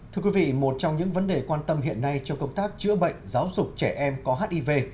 thưa quý vị một trong những vấn đề quan tâm hiện nay trong công tác chữa bệnh giáo dục trẻ em có hiv